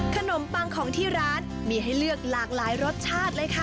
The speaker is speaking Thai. ขนมปังของที่ร้านมีให้เลือกหลากหลายรสชาติเลยค่ะ